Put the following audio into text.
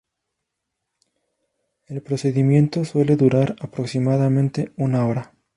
El procedimiento suele durar aproximadamente una hora.